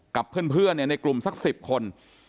กับเพื่อนในกลุ่มสัก๑๐คน